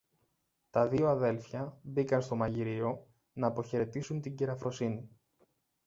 Τα δυο αδέλφια μπήκαν στο μαγειριό ν' αποχαιρετήσουν την κυρα-Φρόνηση